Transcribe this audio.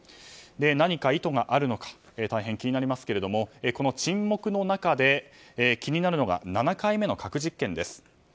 何か意図があるのか大変、気になりますけどもこの沈黙の中で気になるのが７回目の核実験です。